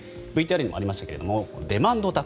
ＶＴＲにもありましたがデマンド